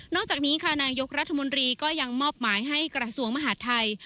จากนี้ค่ะนายกรัฐมนตรีก็ยังมอบหมายให้กระทรวงมหาดไทย